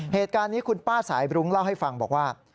เหตุการณ์นี้คุณป้าสายบรุ้งเล่าให้ฟังบอกว่า